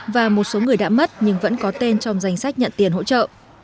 và một số người đã mất nhưng vẫn có tên trong danh sách nhận tiền hỗ trợ